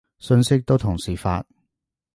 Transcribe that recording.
信息都同時發